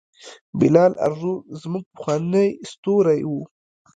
بلال ارزو زموږ پخوانی ستوری و.